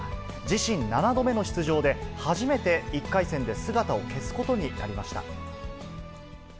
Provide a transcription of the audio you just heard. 自身７度目の出場で、初めて１回戦で姿を消すことになりました。